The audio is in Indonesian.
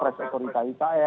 realisasi perawatan ikn ya